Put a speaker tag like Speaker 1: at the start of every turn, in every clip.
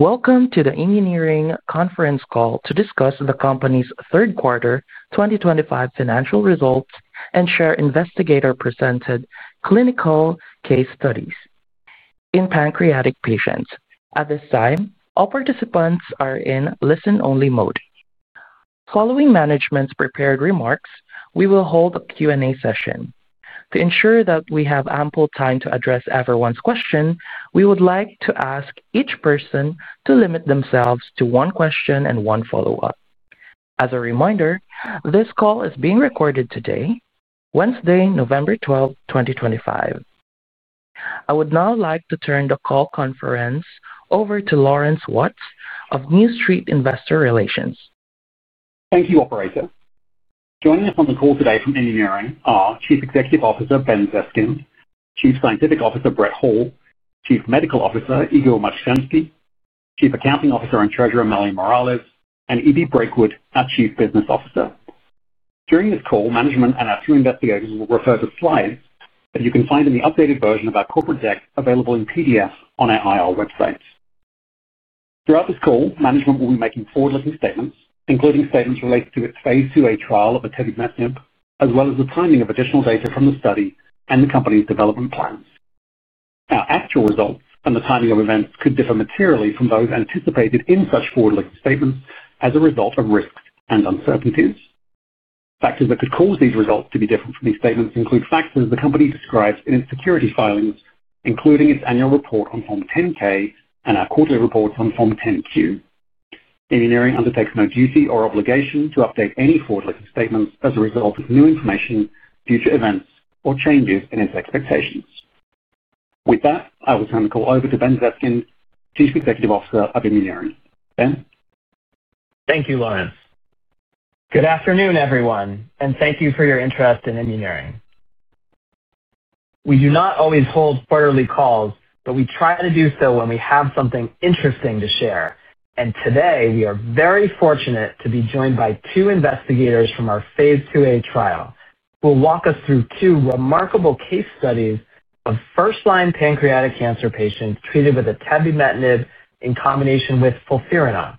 Speaker 1: Welcome to the Immuneering Conference Call to discuss the company's third quarter 2025 financial results and share investigator-presented clinical case studies in pancreatic patients. At this time, all participants are in listen-only mode. Following management's prepared remarks, we will hold a Q&A session. To ensure that we have ample time to address everyone's question, we would like to ask each person to limit themselves to one question and one follow-up. As a reminder, this call is being recorded today, Wednesday, November 12, 2025. I would now like to turn the call conference over to Lawrence Watts of New Street Investor Relations.
Speaker 2: Thank you, Operator. Joining us on the call today from Immuneering are Chief Executive Officer Ben Zeskind, Chief Scientific Officer Brett Hall, Chief Medical Officer Igor Marchansky, Chief Accounting Officer and Treasurer Mallory Morales, and E.B. Brakewood, our Chief Business Officer. During this call, management and our two investigators will refer to slides that you can find in the updated version of our corporate deck available in PDF on our IR website. Throughout this call, management will be making forward-looking statements, including statements related to its phase II-A trial of the atebimetinib, as well as the timing of additional data from the study and the company's development plans. Our actual results and the timing of events could differ materially from those anticipated in such forward-looking statements as a result of risks and uncertainties. Factors that could cause these results to be different from these statements include factors the company describes in its security filings, including its annual report on Form 10-K and our quarterly reports on Form 10-Q. Immuneering undertakes no duty or obligation to update any forward-looking statements as a result of new information, future events, or changes in its expectations. With that, I will turn the call over to Ben Zeskind, Chief Executive Officer of Immuneering. Ben.
Speaker 3: Thank you, Lawrence. Good afternoon, everyone, and thank you for your interest in Immuneering. We do not always hold quarterly calls, but we try to do so when we have something interesting to share. Today, we are very fortunate to be joined by two investigators from our phase II-A trial who will walk us through two remarkable case studies of first-line pancreatic cancer patients treated with atebimetinib in combination with FOLFIRINOX.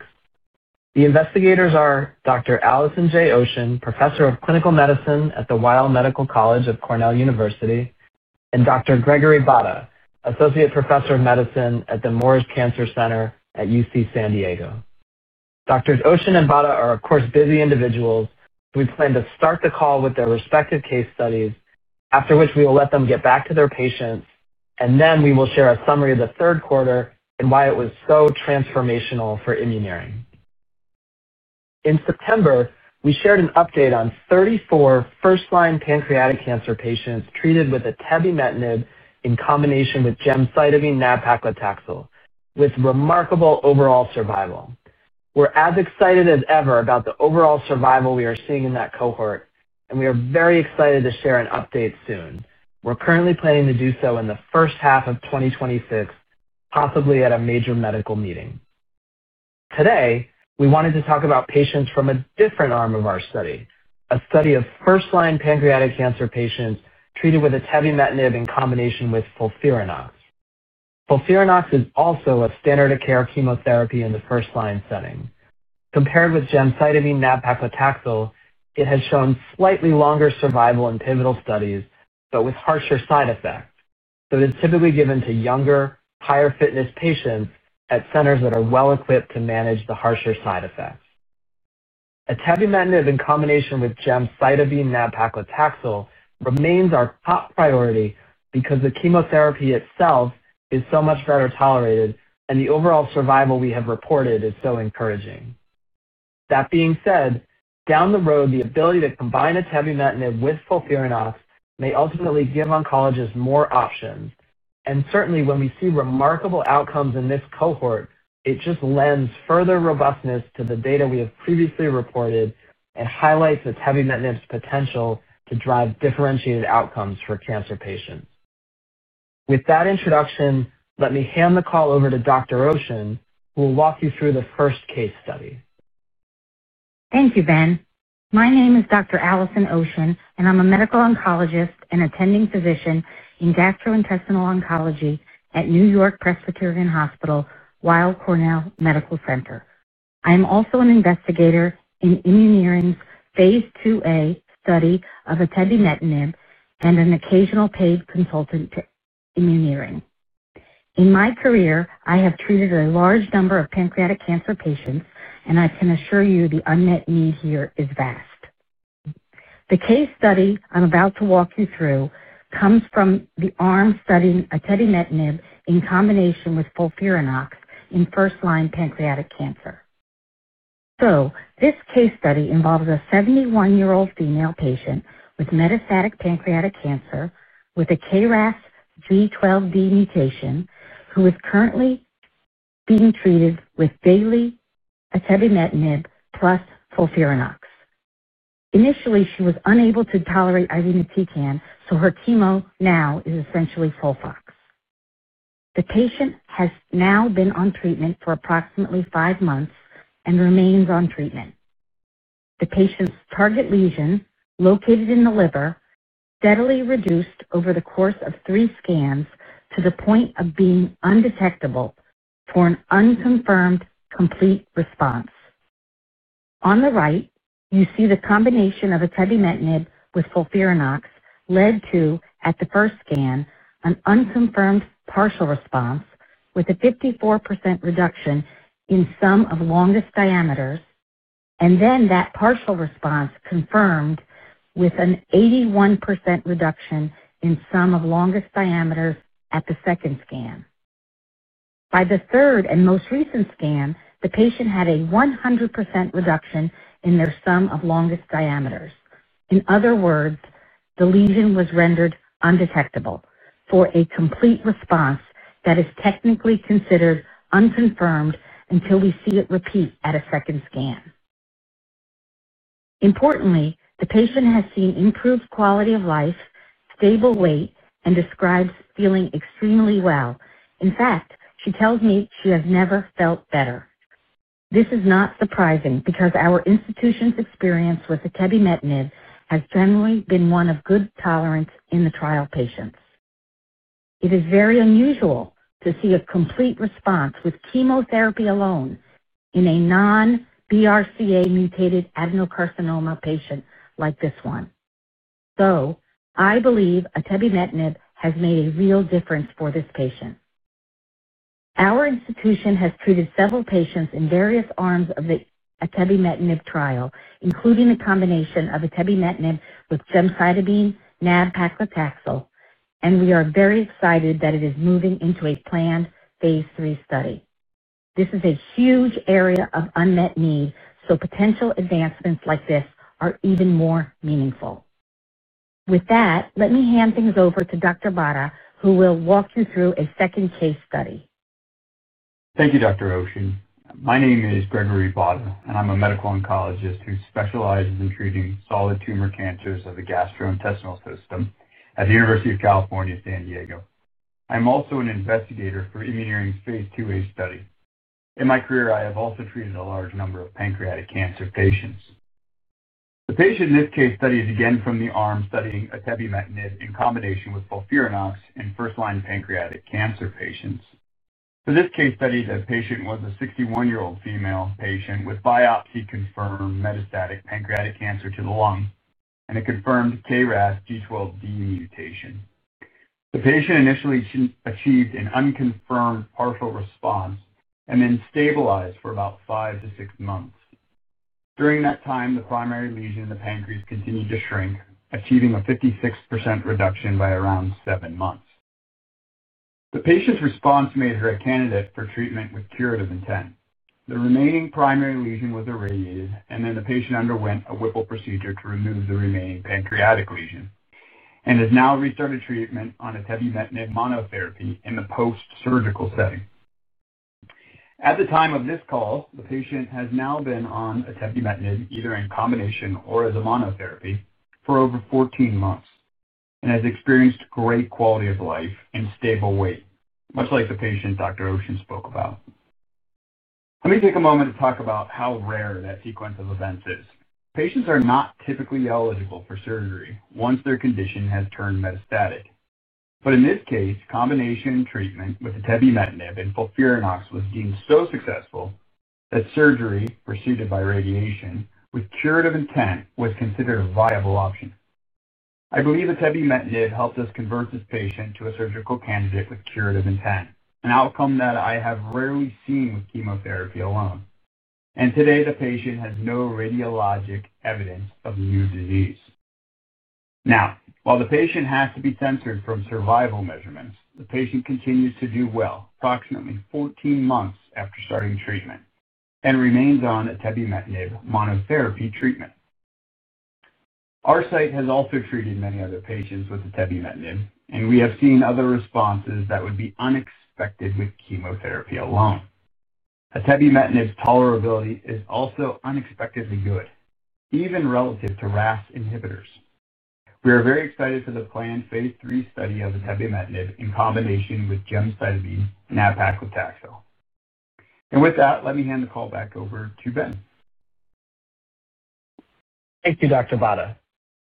Speaker 3: The investigators are Dr. Allyson J. Ocean, Professor of Clinical Medicine at the Weill Medical College of Cornell University, and Dr. Gregory Botta, Associate Professor of Medicine at the Moores Cancer Center at UC San Diego. Doctors Ocean and Botta are, of course, busy individuals, so we plan to start the call with their respective case studies, after which we will let them get back to their patients, and then we will share a summary of the third quarter and why it was so transformational for Immuneering. In September, we shared an update on 34 first-line pancreatic cancer patients treated with atebimetinib in combination with gemcitabine nab-paclitaxel, with remarkable overall survival. We're as excited as ever about the overall survival we are seeing in that cohort, and we are very excited to share an update soon. We're currently planning to do so in the first half of 2026, possibly at a major medical meeting. Today, we wanted to talk about patients from a different arm of our study, a study of first-line pancreatic cancer patients treated with atebimetinib in combination with FOLFIRINOX. FOLFIRINOX is also a standard of care chemotherapy in the first-line setting. Compared with gemcitabine nab-paclitaxel, it has shown slightly longer survival in pivotal studies, but with harsher side effects. It is typically given to younger, higher-fitness patients at centers that are well-equipped to manage the harsher side effects. Atebimetinib in combination with gemcitabine nab-paclitaxel remains our top priority because the chemotherapy itself is so much better tolerated, and the overall survival we have reported is so encouraging. That being said, down the road, the ability to combine atebimetinib with FOLFIRINOX may ultimately give oncologists more options. Certainly, when we see remarkable outcomes in this cohort, it just lends further robustness to the data we have previously reported and highlights atebimetinib's potential to drive differentiated outcomes for cancer patients. With that introduction, let me hand the call over to Dr. Ocean, who will walk you through the first case study.
Speaker 4: Thank you, Ben. My name is Dr. Allyson Ocean, and I'm a medical oncologist and attending physician in gastrointestinal oncology at New York Presbyterian Hospital, Weill Cornell Medical Center. I am also an investigator in Immuneering's phase II-A study of atebimetinib and an occasional paid consultant to Immuneering. In my career, I have treated a large number of pancreatic cancer patients, and I can assure you the unmet need here is vast. The case study I'm about to walk you through comes from the arm studying atebimetinib in combination with FOLFIRINOX in first-line pancreatic cancer. This case study involves a 71-year-old female patient with metastatic pancreatic cancer with a KRAS G12D mutation who is currently being treated with daily atebimetinib plus FOLFIRINOX. Initially, she was unable to tolerate irinotecan, so her chemo now is essentially FOLFOX. The patient has now been on treatment for approximately five months and remains on treatment. The patient's target lesion located in the liver steadily reduced over the course of three scans to the point of being undetectable for an unconfirmed complete response. On the right, you see the combination of atebimetinib with FOLFIRINOX led to, at the first scan, an unconfirmed partial response with a 54% reduction in sum of longest diameters, and then that partial response confirmed with an 81% reduction in sum of longest diameters at the second scan. By the third and most recent scan, the patient had a 100% reduction in their sum of longest diameters. In other words, the lesion was rendered undetectable for a complete response that is technically considered unconfirmed until we see it repeat at a second scan. Importantly, the patient has seen improved quality of life, stable weight, and describes feeling extremely well. In fact, she tells me she has never felt better. This is not surprising because our institution's experience with atebimetinib has generally been one of good tolerance in the trial patients. It is very unusual to see a complete response with chemotherapy alone in a non-BRCA mutated adenocarcinoma patient like this one. So I believe atebimetinib has made a real difference for this patient. Our institution has treated several patients in various arms of the atebimetinib trial, including a combination of atebimetinib with gemcitabine nab-paclitaxel, and we are very excited that it is moving into a planned phase III study. This is a huge area of unmet need, so potential advancements like this are even more meaningful. With that, let me hand things over to Dr. Botta, who will walk you through a second case study.
Speaker 5: Thank you, Dr. Ocean. My name is Gregory Botta, and I'm a medical oncologist who specializes in treating solid tumor cancers of the gastrointestinal system at the University of California, San Diego. I'm also an investigator for Immuneering's phase II-A study. In my career, I have also treated a large number of pancreatic cancer patients. The patient in this case study is again from the arm studying atebimetinib in combination with FOLFIRINOX in first-line pancreatic cancer patients. For this case study, the patient was a 61-year-old female patient with biopsy-confirmed metastatic pancreatic cancer to the lung, and it confirmed KRAS G12D mutation. The patient initially achieved an unconfirmed partial response and then stabilized for about five to six months. During that time, the primary lesion in the pancreas continued to shrink, achieving a 56% reduction by around seven months. The patient's response made her a candidate for treatment with curative intent. The remaining primary lesion was irradiated, and then the patient underwent a Whipple procedure to remove the remaining pancreatic lesion and has now restarted treatment on a atebimetinib monotherapy in the post-surgical setting. At the time of this call, the patient has now been on a atebimetinib either in combination or as a monotherapy for over 14 months and has experienced great quality of life and stable weight, much like the patient Dr. Ocean spoke about. Let me take a moment to talk about how rare that sequence of events is. Patients are not typically eligible for surgery once their condition has turned metastatic. In this case, combination treatment with atebimetinib and FOLFIRINOX was deemed so successful that surgery preceded by radiation with curative intent was considered a viable option. I believe atebimetinib helped us convert this patient to a surgical candidate with curative intent, an outcome that I have rarely seen with chemotherapy alone. Today, the patient has no radiologic evidence of new disease. While the patient has to be censored from survival measurements, the patient continues to do well approximately 14 months after starting treatment and remains on atebimetinib monotherapy treatment. Our site has also treated many other patients with atebimetinib, and we have seen other responses that would be unexpected with chemotherapy alone. atebimetinib's tolerability is also unexpectedly good, even relative to RAS inhibitors. We are very excited for the planned phase III study of atebimetinib in combination with gemcitabine nab-paclitaxel. With that, let me hand the call back over to Ben.
Speaker 3: Thank you, Dr. Botta.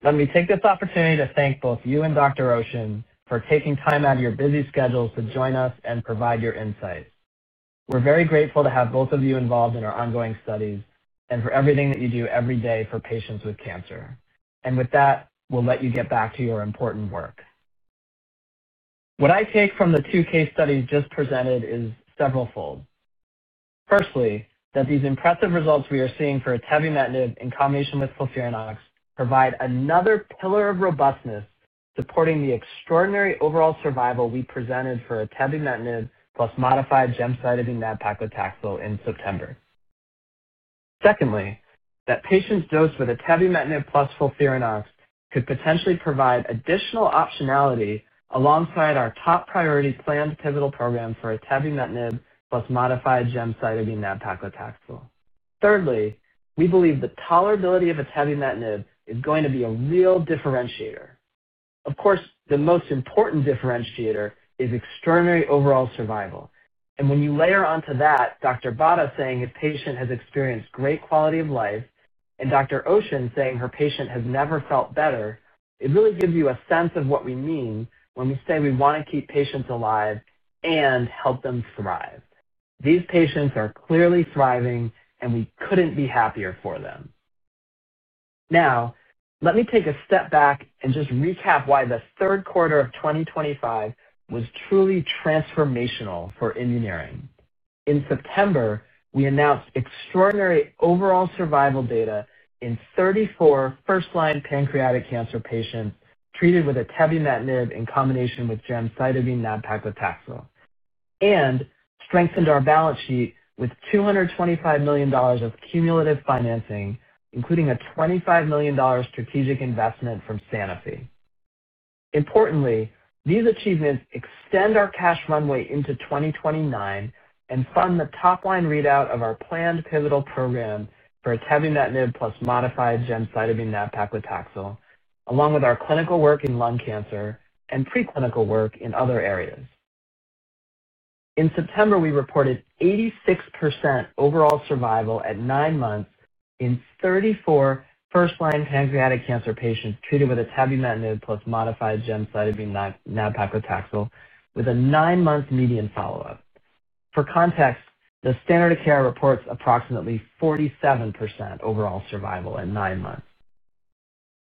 Speaker 3: Let me take this opportunity to thank both you and Dr. Ocean for taking time out of your busy schedules to join us and provide your insights. We're very grateful to have both of you involved in our ongoing studies and for everything that you do every day for patients with cancer. With that, we'll let you get back to your important work. What I take from the two case studies just presented is several fold. Firstly, that these impressive results we are seeing for atebimetinib in combination with FOLFIRINOX provide another pillar of robustness supporting the extraordinary overall survival we presented for atebimetinib plus modified gemcitabine nab-paclitaxel in September. Secondly, that patients dosed with atebimetinib plus FOLFIRINOX could potentially provide additional optionality alongside our top priority planned pivotal program for atebimetinib plus modified gemcitabine nab-paclitaxel. Thirdly, we believe the tolerability of atebimetinib is going to be a real differentiator. Of course, the most important differentiator is extraordinary overall survival. When you layer onto that, Dr. Botta saying a patient has experienced great quality of life and Dr. Ocean saying her patient has never felt better, it really gives you a sense of what we mean when we say we want to keep patients alive and help them thrive. These patients are clearly thriving, and we couldn't be happier for them. Now, let me take a step back and just recap why the third quarter of 2025 was truly transformational for Immuneering. In September, we announced extraordinary overall survival data in 34 first-line pancreatic cancer patients treated with atebimetinib in combination with gemcitabine nab-paclitaxel and strengthened our balance sheet with $225 million of cumulative financing, including a $25 million strategic investment from Sanofi. Importantly, these achievements extend our cash runway into 2029 and fund the top-line readout of our planned pivotal program for atebimetinib plus modified gemcitabine nab-paclitaxel, along with our clinical work in lung cancer and preclinical work in other areas. In September, we reported 86% overall survival at nine months in 34 first-line pancreatic cancer patients treated with atebimetinib plus modified gemcitabine nab-paclitaxel with a nine-month median follow-up. For context, the standard of care reports approximately 47% overall survival at nine months.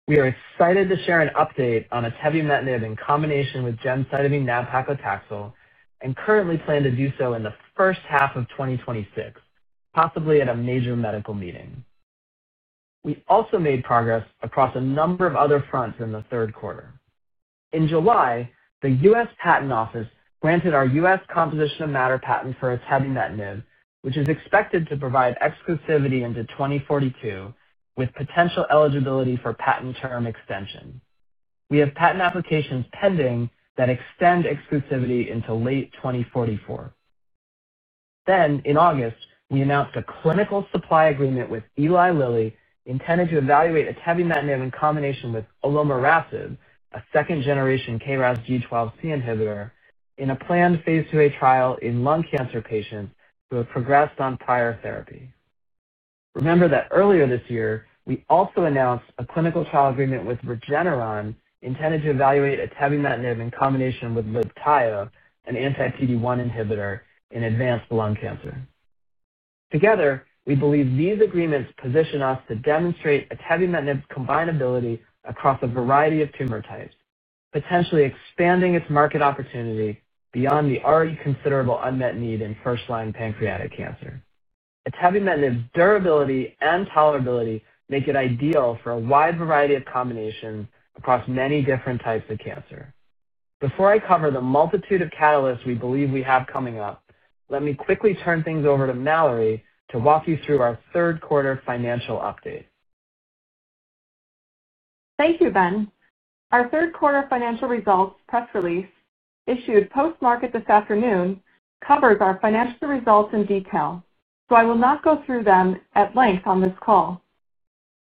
Speaker 3: We are excited to share an update on atebimetinib in combination with gemcitabine nab-paclitaxel and currently plan to do so in the first half of 2026, possibly at a major medical meeting. We also made progress across a number of other fronts in the third quarter. In July, the U.S. Patent Office granted our U.S. Composition of Matter patent for atebimetinib, which is expected to provide exclusivity into 2042 with potential eligibility for patent term extension. We have patent applications pending that extend exclusivity into late 2044. In August, we announced a clinical supply agreement with Eli Lilly intended to evaluate atebimetinib in combination with Olomorasib, a second-generation KRAS G12C inhibitor, in a planned phase II-A trial in lung cancer patients who have progressed on prior therapy. Remember that earlier this year, we also announced a clinical trial agreement with Regeneron intended to evaluate atebimetinib in combination with Libtayo, an anti-PD-1 inhibitor, in advanced lung cancer. Together, we believe these agreements position us to demonstrate atebimetinib's combinability across a variety of tumor types, potentially expanding its market opportunity beyond the already considerable unmet need in first-line pancreatic cancer. atebimetinib's durability and tolerability make it ideal for a wide variety of combinations across many different types of cancer. Before I cover the multitude of catalysts we believe we have coming up, let me quickly turn things over to Mallory to walk you through our third quarter financial update.
Speaker 6: Thank you, Ben. Our third quarter financial results press release, issued post-market this afternoon, covers our financial results in detail, so I will not go through them at length on this call.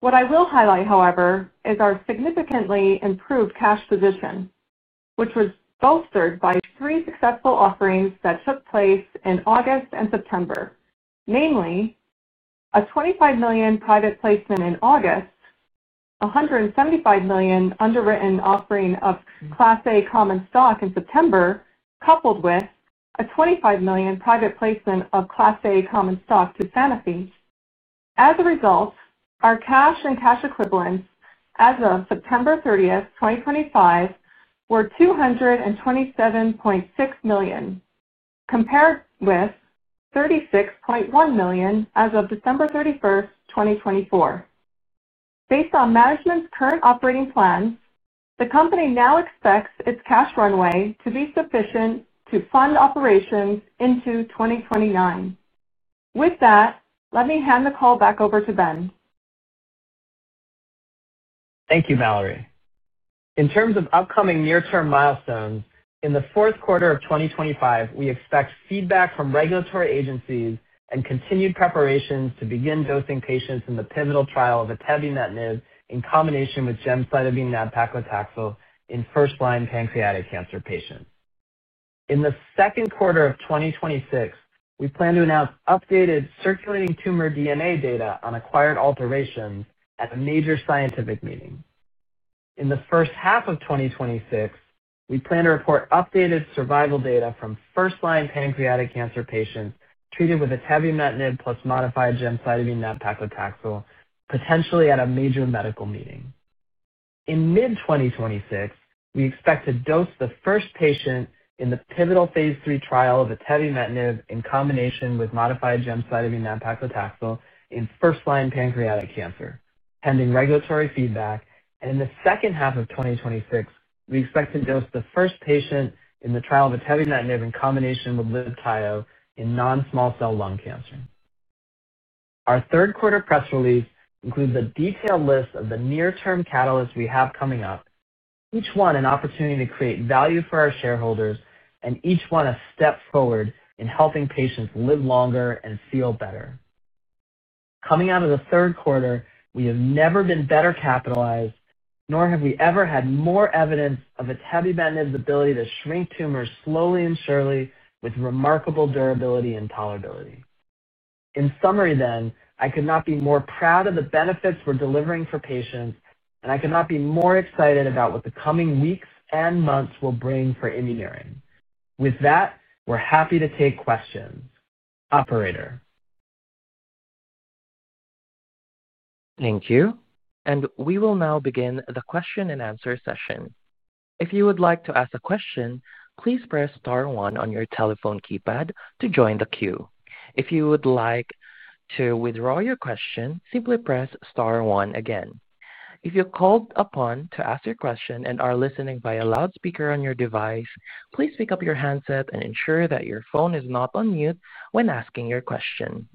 Speaker 6: What I will highlight, however, is our significantly improved cash position, which was bolstered by three successful offerings that took place in August and September, namely a $25 million private placement in August, a $175 million underwritten offering of Class A common stock in September, coupled with a $25 million private placement of Class A common stock to Sanofi. As a result, our cash and cash equivalents as of September 30th, 2025, were $227.6 million, compared with $36.1 million as of December 31st, 2024. Based on management's current operating plans, the company now expects its cash runway to be sufficient to fund operations into 2029. With that, let me hand the call back over to Ben.
Speaker 3: Thank you, Mallory. In terms of upcoming near-term milestones, in the fourth quarter of 2025, we expect feedback from regulatory agencies and continued preparations to begin dosing patients in the pivotal trial of atebimetinib in combination with gemcitabine nab-paclitaxel in first-line pancreatic cancer patients. In the second quarter of 2026, we plan to announce updated circulating tumor DNA data on acquired alterations at a major scientific meeting. In the first half of 2026, we plan to report updated survival data from first-line pancreatic cancer patients treated with atebimetinib plus modified gemcitabine nab-paclitaxel, potentially at a major medical meeting. In mid-2026, we expect to dose the first patient in the pivotal phase III trial of atebimetinib in combination with modified gemcitabine nab-paclitaxel in first-line pancreatic cancer, pending regulatory feedback. In the second half of 2026, we expect to dose the first patient in the trial of atebimetinib in combination with Libtayo in non-small cell lung cancer. Our third quarter press release includes a detailed list of the near-term catalysts we have coming up, each one an opportunity to create value for our shareholders and each one a step forward in helping patients live longer and feel better. Coming out of the third quarter, we have never been better capitalized, nor have we ever had more evidence of atebimetinib's ability to shrink tumors slowly and surely with remarkable durability and tolerability. In summary, then, I could not be more proud of the benefits we're delivering for patients, and I could not be more excited about what the coming weeks and months will bring for Immuneering. With that, we're happy to take questions. Operator.
Speaker 1: Thank you. We will now begin the question-and-answer session. If you would like to ask a question, please press star one on your telephone keypad to join the queue. If you would like to withdraw your question, simply press star one again. If you're called upon to ask your question and are listening via loudspeaker on your device, please pick up your handset and ensure that your phone is not on mute when asking your question.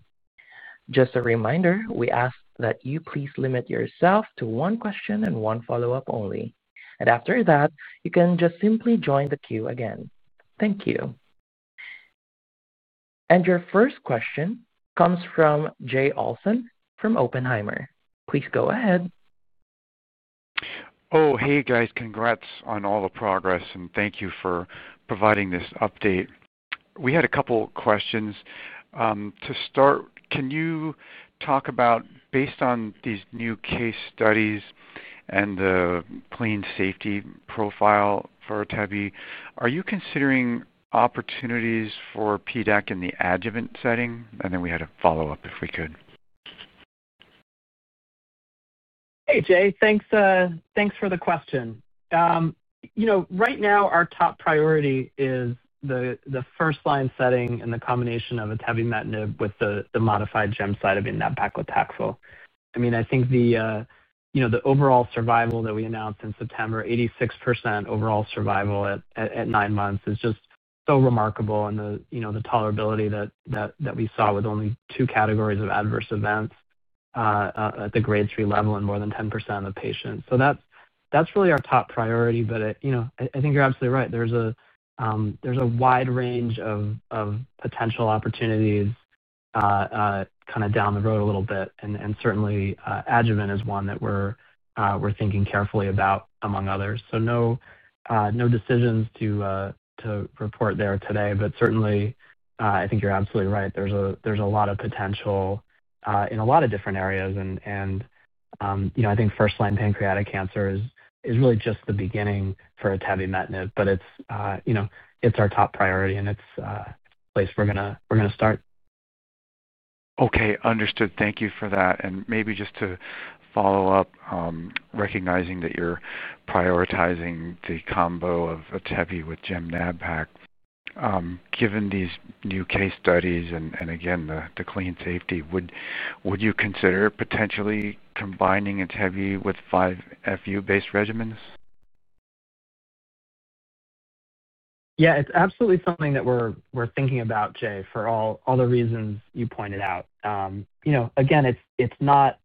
Speaker 1: Just a reminder, we ask that you please limit yourself to one question and one follow-up only. After that, you can just simply join the queue again. Thank you. Your first question comes from Jay Olson from Oppenheimer. Please go ahead.
Speaker 7: Oh, hey, guys. Congrats on all the progress, and thank you for providing this update. We had a couple of questions. To start, can you talk about, based on these new case studies and the clean safety profile for atebi, are you considering opportunities for PDAC in the adjuvant setting? We had a follow-up if we could.
Speaker 3: Hey, Jay. Thanks for the question. Right now, our top priority is the first-line setting and the combination of atebimetinib with the modified gemcitabine nab-paclitaxel. I mean, I think the overall survival that we announced in September, 86% overall survival at nine months, is just so remarkable. And the tolerability that we saw with only two categories of adverse events at the grade 3 level in more than 10% of the patients. That's really our top priority. I think you're absolutely right. There's a wide range of potential opportunities kind of down the road a little bit. Certainly, adjuvant is one that we're thinking carefully about among others. No decisions to report there today. Certainly, I think you're absolutely right. There's a lot of potential in a lot of different areas. I think first-line pancreatic cancer is really just the beginning for atebimetinib. It is our top priority, and it is the place we are going to start.
Speaker 7: Okay. Understood. Thank you for that. Maybe just to follow up, recognizing that you're prioritizing the combo of atebi with gemcitabine nab-paclitaxel, given these new case studies and, again, the clean safety, would you consider potentially combining atebi with 5-FU-based regimens?
Speaker 3: Yeah. It's absolutely something that we're thinking about, Jay, for all the reasons you pointed out. Again, it's not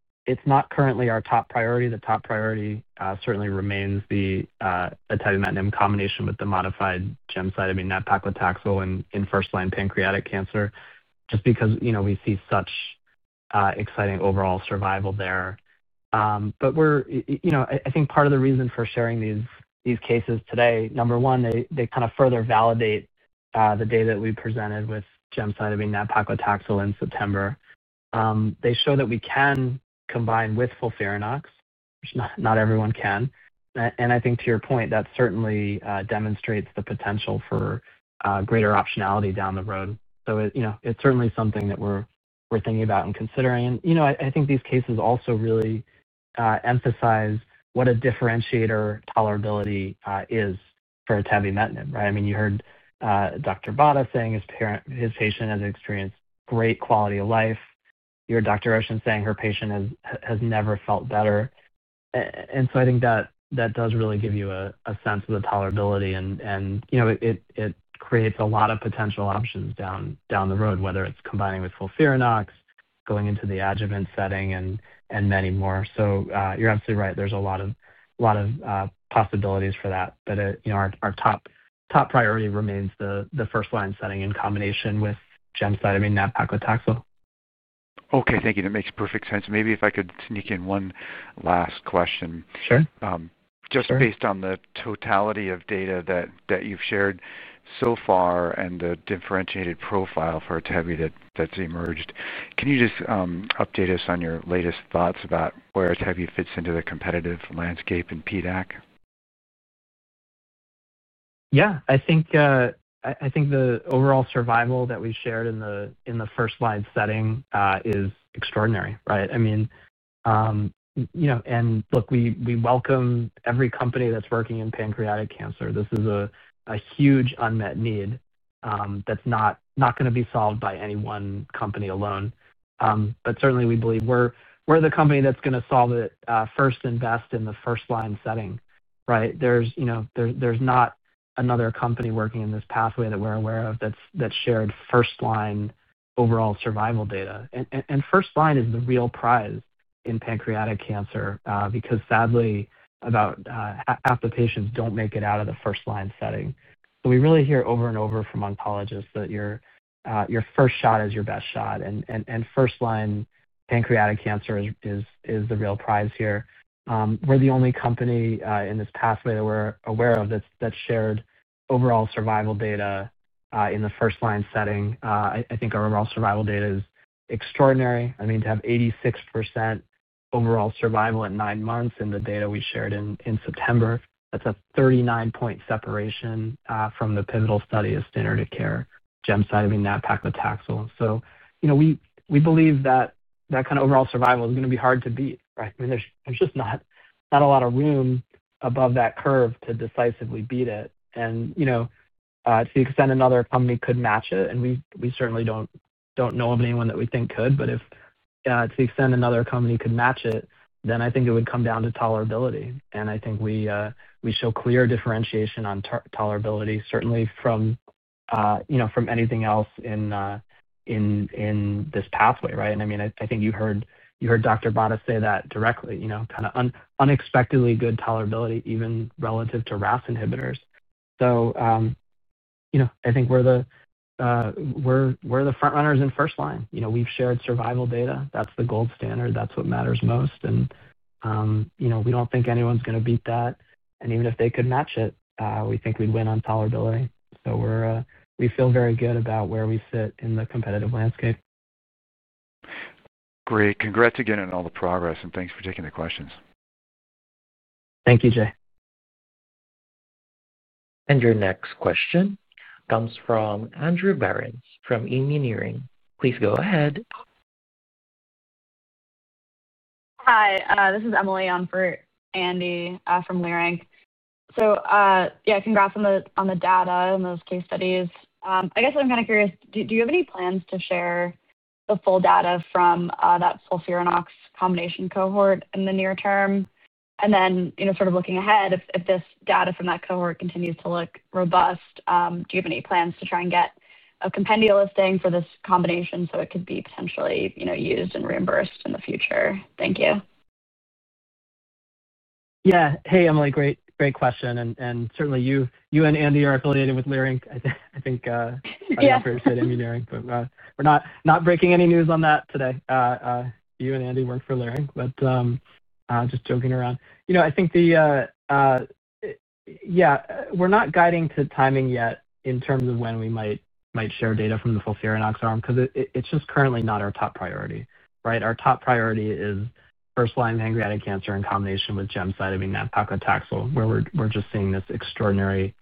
Speaker 3: currently our top priority. The top priority certainly remains the atebimetinib in combination with the modified gemcitabine nab-paclitaxel in first-line pancreatic cancer, just because we see such exciting overall survival there. I think part of the reason for sharing these cases today, number one, they kind of further validate the data that we presented with gemcitabine nab-paclitaxel in September. They show that we can combine with FOLFIRINOX, which not everyone can. I think, to your point, that certainly demonstrates the potential for greater optionality down the road. It's certainly something that we're thinking about and considering. I think these cases also really emphasize what a differentiator tolerability is for atebimetinib, right? I mean, you heard Dr. Botta saying his patient has experienced great quality of life. You heard Dr. Ocean saying her patient has never felt better. I think that does really give you a sense of the tolerability. It creates a lot of potential options down the road, whether it's combining with FOLFIRINOX, going into the adjuvant setting, and many more. You're absolutely right. There's a lot of possibilities for that. Our top priority remains the first-line setting in combination with gemcitabine nab-paclitaxel.
Speaker 7: Okay. Thank you. That makes perfect sense. Maybe if I could sneak in one last question.
Speaker 3: Sure.
Speaker 7: Just based on the totality of data that you've shared so far and the differentiated profile for Tevid that's emerged, can you just update us on your latest thoughts about where Tevid fits into the competitive landscape in PDAC?
Speaker 3: Yeah. I think the overall survival that we shared in the first-line setting is extraordinary, right? I mean, look, we welcome every company that's working in pancreatic cancer. This is a huge unmet need that's not going to be solved by any one company alone. Certainly, we believe we're the company that's going to solve it first and best in the first-line setting, right? There's not another company working in this pathway that we're aware of that's shared first-line overall survival data. First-line is the real prize in pancreatic cancer because, sadly, about half the patients don't make it out of the first-line setting. We really hear over and over from oncologists that your first shot is your best shot. First-line pancreatic cancer is the real prize here. We're the only company in this pathway that we're aware of that's shared overall survival data in the first-line setting. I think our overall survival data is extraordinary. I mean, to have 86% overall survival at nine months in the data we shared in September, that's a 39 point separation from the pivotal study of standard of care, gemcitabine nab-paclitaxel. We believe that kind of overall survival is going to be hard to beat, right? I mean, there's just not a lot of room above that curve to decisively beat it. To the extent another company could match it, and we certainly don't know of anyone that we think could, but if to the extent another company could match it, then I think it would come down to tolerability. I think we show clear differentiation on tolerability, certainly from anything else in this pathway, right? I mean, I think you heard Dr. Botta say that directly, kind of unexpectedly good tolerability, even relative to RAS inhibitors. I think we're the front runners in first-line. We've shared survival data. That's the gold standard. That's what matters most. We don't think anyone's going to beat that. Even if they could match it, we think we'd win on tolerability. We feel very good about where we sit in the competitive landscape.
Speaker 7: Great. Congrats again on all the progress, and thanks for taking the questions.
Speaker 3: Thank you, Jay.
Speaker 1: Your next question comes from Andrew Berens from Immuneering. Please go ahead. Hi. This is Emily on for Andy from Leerink. Yeah, congrats on the data and those case studies. I guess I'm kind of curious, do you have any plans to share the full data from that FOLFIRINOX combination cohort in the near term? Then sort of looking ahead, if this data from that cohort continues to look robust, do you have any plans to try and get a compendia listing for this combination so it could be potentially used and reimbursed in the future? Thank you.
Speaker 3: Yeah. Hey, Emily, great question. Certainly, you and Andy are affiliated with Leerink. I think I know for sure you said Immuneering, but we're not breaking any news on that today. You and Andy work for Leerink, just joking around. I think we're not guiding to timing yet in terms of when we might share data from the FOLFIRINOX arm because it's just currently not our top priority, right? Our top priority is first-line pancreatic cancer in combination with gemcitabine nab-paclitaxel, where we're just seeing this extraordinary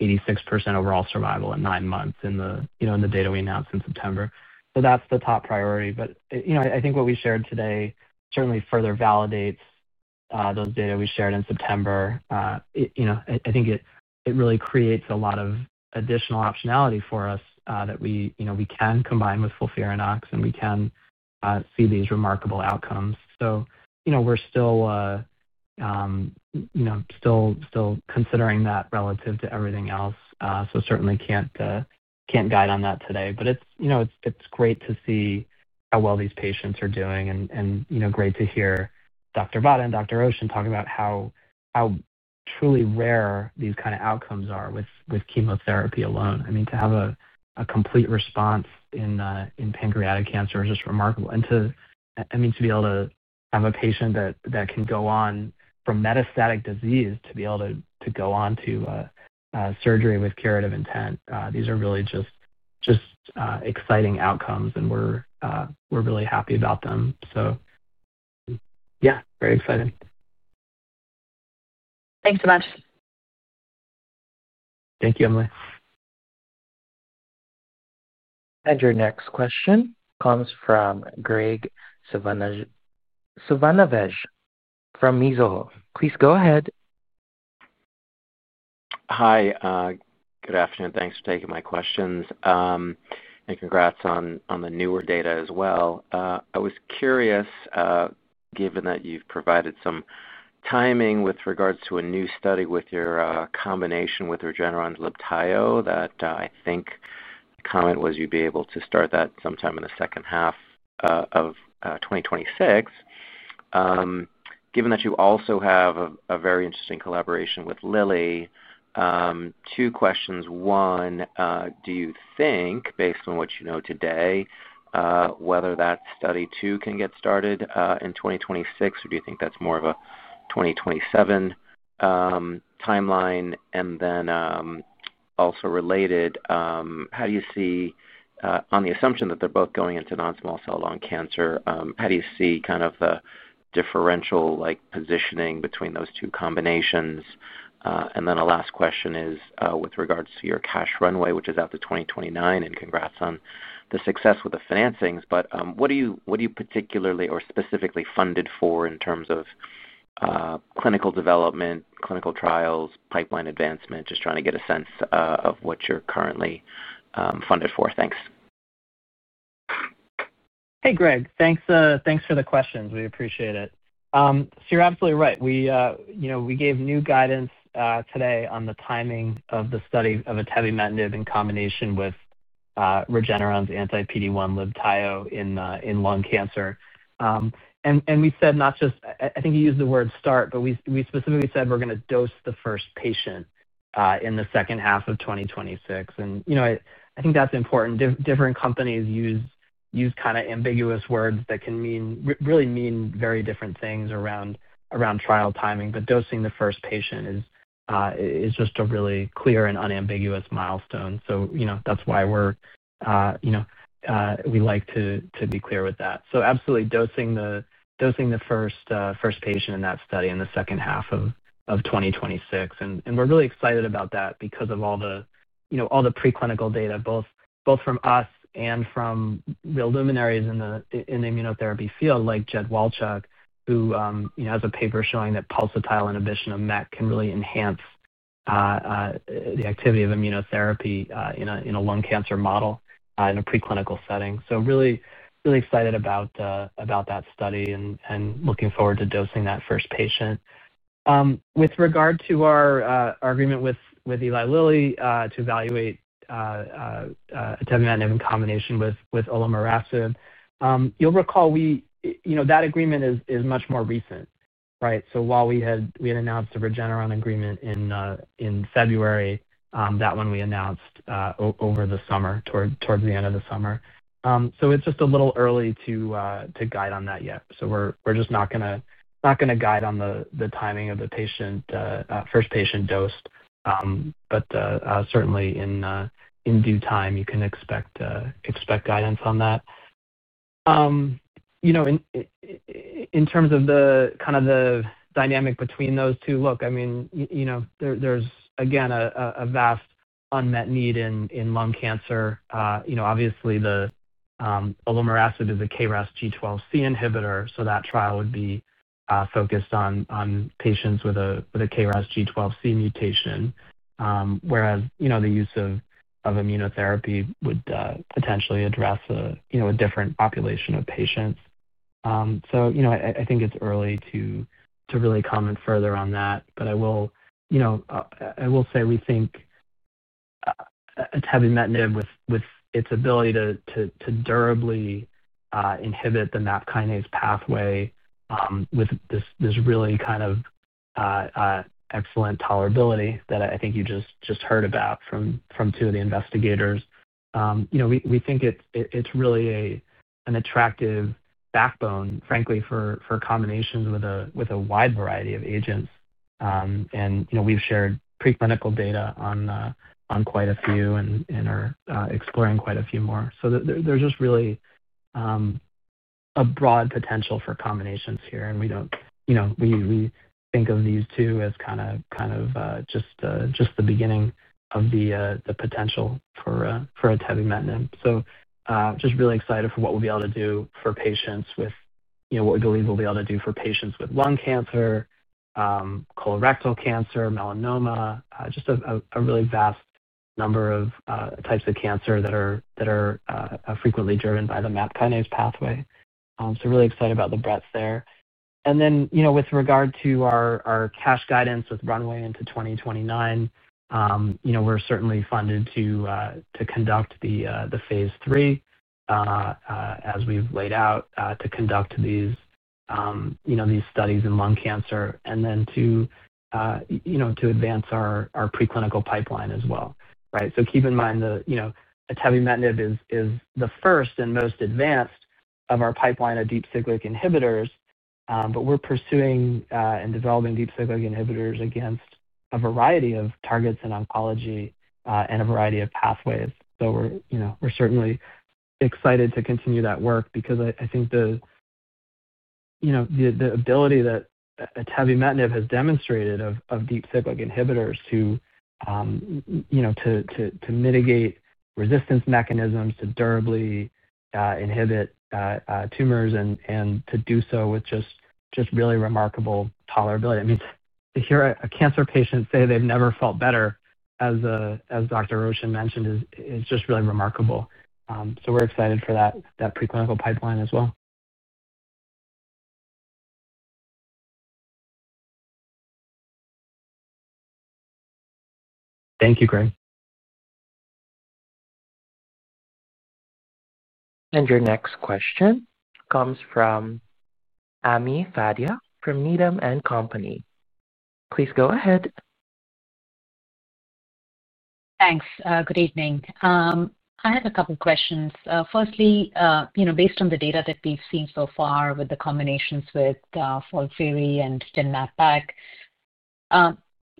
Speaker 3: 86% overall survival in nine months in the data we announced in September. That's the top priority. I think what we shared today certainly further validates those data we shared in September. I think it really creates a lot of additional optionality for us that we can combine with FOLFIRINOX, and we can see these remarkable outcomes. We're still considering that relative to everything else. Certainly can't guide on that today. It's great to see how well these patients are doing. Great to hear Dr. Botta and Dr. Ocean talk about how truly rare these kind of outcomes are with chemotherapy alone. I mean, to have a complete response in pancreatic cancer is just remarkable. I mean, to be able to have a patient that can go on from metastatic disease to be able to go on to surgery with curative intent, these are really just exciting outcomes, and we're really happy about them. Yeah, very exciting. Thanks so much. Thank you, Emily.
Speaker 1: Your next question comes from Greg Silvanouve from Mizuho. Please go ahead.
Speaker 8: Hi. Good afternoon. Thanks for taking my questions. And congrats on the newer data as well. I was curious, given that you've provided some timing with regards to a new study with your combination with Regeneron's Libtayo, that I think the comment was you'd be able to start that sometime in the second half of 2026. Given that you also have a very interesting collaboration with Lilly, two questions. One, do you think, based on what you know today, whether that study too can get started in 2026, or do you think that's more of a 2027 timeline? And then also related, how do you see, on the assumption that they're both going into non-small cell lung cancer, how do you see kind of the differential positioning between those two combinations? A last question is with regards to your cash runway, which is out to 2029, and congrats on the success with the financings. What are you particularly or specifically funded for in terms of clinical development, clinical trials, pipeline advancement? Just trying to get a sense of what you're currently funded for. Thanks.
Speaker 3: Hey, Greg. Thanks for the questions. We appreciate it. You're absolutely right. We gave new guidance today on the timing of the study of atebimetinib in combination with Regeneron's anti-PD-1 Libtayo in lung cancer. We said not just, I think you used the word start, but we specifically said we're going to dose the first patient in the second half of 2026. I think that's important. Different companies use kind of ambiguous words that can really mean very different things around trial timing. Dosing the first patient is just a really clear and unambiguous milestone. That's why we like to be clear with that. Absolutely, dosing the first patient in that study in the second half of 2026. We're really excited about that because of all the preclinical data, both from us and from the luminaries in the immunotherapy field, like Jedd Wolchok, who has a paper showing that pulsatile inhibition of MEK can really enhance the activity of immunotherapy in a lung cancer model in a preclinical setting. Really excited about that study and looking forward to dosing that first patient. With regard to our agreement with Eli Lilly to evaluate atebimetinib in combination with Olomorasib, you'll recall that agreement is much more recent, right? While we had announced a Regeneron agreement in February, that one we announced over the summer, towards the end of the summer. It's just a little early to guide on that yet. We're just not going to guide on the timing of the first patient dose. Certainly, in due time, you can expect guidance on that. In terms of kind of the dynamic between those two, look, I mean, there's, again, a vast unmet need in lung cancer. Obviously, the Olomorasib is a KRAS G12C inhibitor. That trial would be focused on patients with a KRAS G12C mutation, whereas the use of immunotherapy would potentially address a different population of patients. I think it's early to really comment further on that. I will say we think atebimetinib, with its ability to durably inhibit the MAP kinase pathway with this really kind of excellent tolerability that I think you just heard about from two of the investigators, we think it's really an attractive backbone, frankly, for combinations with a wide variety of agents. We have shared preclinical data on quite a few and are exploring quite a few more. There is just really a broad potential for combinations here. We think of these two as kind of just the beginning of the potential for atebimetinib. Just really excited for what we'll be able to do for patients with what we believe we'll be able to do for patients with lung cancer, colorectal cancer, melanoma, just a really vast number of types of cancer that are frequently driven by the MAP kinase pathway. Really excited about the breadth there. With regard to our cash guidance with runway into 2029, we're certainly funded to conduct the phase III as we've laid out to conduct these studies in lung cancer and to advance our preclinical pipeline as well, right? Keep in mind that atebimetinib is the first and most advanced of our pipeline of deep cyclic inhibitors. We're pursuing and developing deep cyclic inhibitors against a variety of targets in oncology and a variety of pathways. We're certainly excited to continue that work because I think the ability that atebimetinib has demonstrated of deep cyclic inhibitors to mitigate resistance mechanisms, to durably inhibit tumors, and to do so with just really remarkable tolerability. I mean, to hear a cancer patient say they've never felt better, as Dr. Ocean mentioned, is just really remarkable. We're excited for that preclinical pipeline as well. Thank you, Greg.
Speaker 1: Your next question comes from Ami Fadia from Needham & Company. Please go ahead.
Speaker 9: Thanks. Good evening. I have a couple of questions. Firstly, based on the data that we've seen so far with the combinations with FOLFIRINOX and gemcitabine nab-paclitaxel,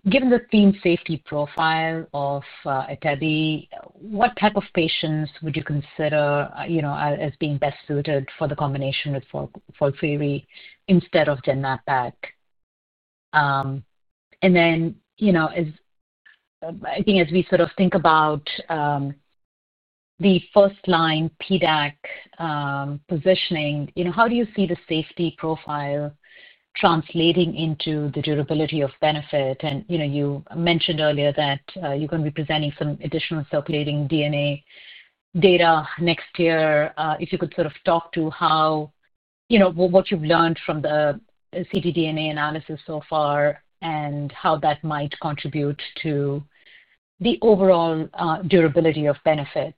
Speaker 9: given the theme safety profile of atebi, what type of patients would you consider as being best suited for the combination with FOLFIRINOX instead of gemcitabine nab-paclitaxel? I think as we sort of think about the first-line PDAC positioning, how do you see the safety profile translating into the durability of benefit? You mentioned earlier that you're going to be presenting some additional circulating tumor DNA data next year. If you could sort of talk to what you've learned from the ctDNA analysis so far and how that might contribute to the overall durability of benefit,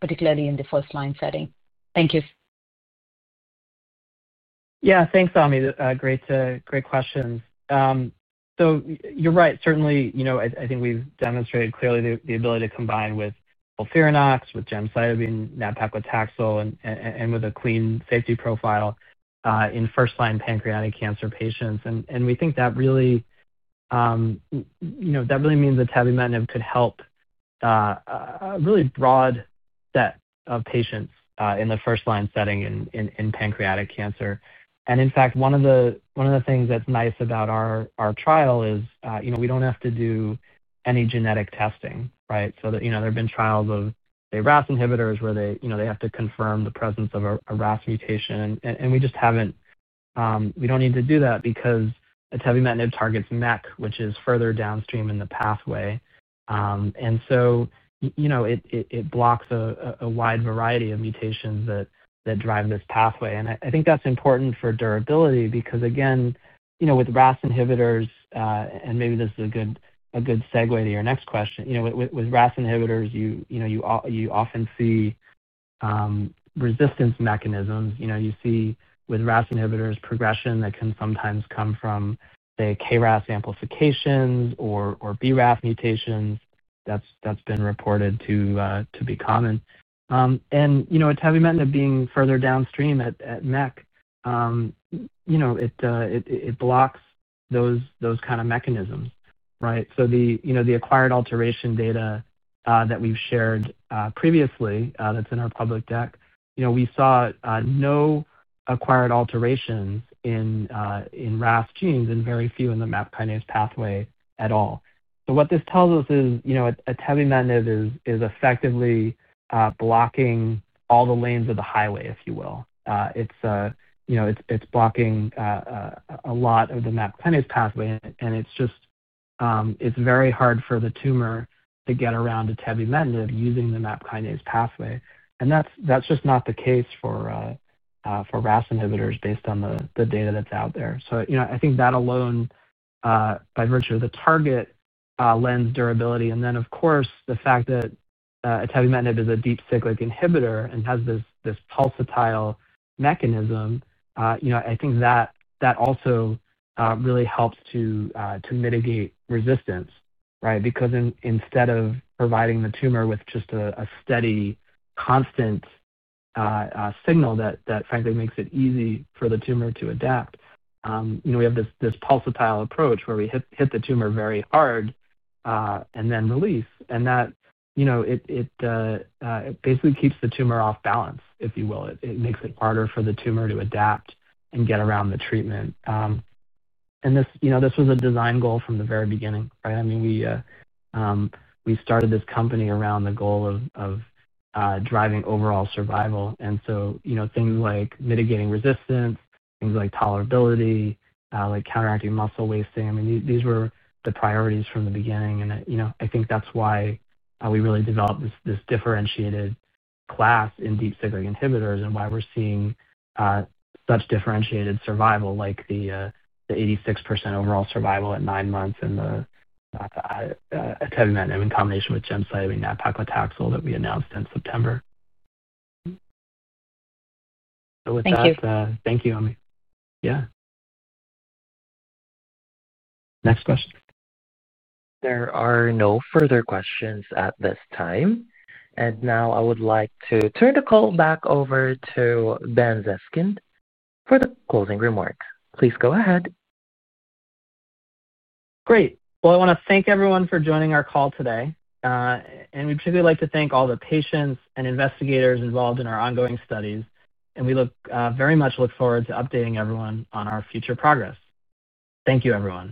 Speaker 9: particularly in the first-line setting. Thank you.
Speaker 3: Yeah. Thanks, Ami. Great questions. You're right. Certainly, I think we've demonstrated clearly the ability to combine with FOLFIRINOX, with gemcitabine nab-paclitaxel, and with a clean safety profile in first-line pancreatic cancer patients. We think that really means atebimetinib could help a really broad set of patients in the first-line setting in pancreatic cancer. In fact, one of the things that's nice about our trial is we don't have to do any genetic testing, right? There have been trials of, say, RAS inhibitors where they have to confirm the presence of a RAS mutation. We just haven't—we don't need to do that because atebimetinib targets MEK, which is further downstream in the pathway. It blocks a wide variety of mutations that drive this pathway. I think that's important for durability because, again, with RAS inhibitors—and maybe this is a good segue to your next question—with RAS inhibitors, you often see resistance mechanisms. You see with RAS inhibitors progression that can sometimes come from, say, KRAS amplifications or BRAF mutations. That's been reported to be common. And a atebimetinib being further downstream at MEK, it blocks those kind of mechanisms, right? The acquired alteration data that we've shared previously that's in our public deck, we saw no acquired alterations in RAS genes and very few in the MAP kinase pathway at all. What this tells us is a atebimetinib is effectively blocking all the lanes of the highway, if you will. It's blocking a lot of the MAP kinase pathway. It's very hard for the tumor to get around a atebimetinib using the MAP kinase pathway. That is just not the case for RAS inhibitors based on the data that is out there. I think that alone, by virtue of the target lesion's durability, and then, of course, the fact that atebimetinib is a deep cyclic inhibitor and has this pulsatile mechanism, I think that also really helps to mitigate resistance, right? Because instead of providing the tumor with just a steady, constant signal that, frankly, makes it easy for the tumor to adapt, we have this pulsatile approach where we hit the tumor very hard and then release. That basically keeps the tumor off balance, if you will. It makes it harder for the tumor to adapt and get around the treatment. This was a design goal from the very beginning, right? I mean, we started this company around the goal of driving overall survival. Things like mitigating resistance, things like tolerability, like counteracting muscle wasting, I mean, these were the priorities from the beginning. I think that's why we really developed this differentiated class in deep cyclic inhibitors and why we're seeing such differentiated survival, like the 86% overall survival at nine months in atebimetinib in combination with gemcitabine nab-paclitaxel, that we announced in September. With that.
Speaker 9: Thank you.
Speaker 3: Thank you, Amy. Yeah. Next question.
Speaker 1: There are no further questions at this time. I would like to turn the call back over to Ben Zeskind for the closing remarks. Please go ahead.
Speaker 3: Great. I want to thank everyone for joining our call today. We would particularly like to thank all the patients and investigators involved in our ongoing studies. We very much look forward to updating everyone on our future progress. Thank you, everyone.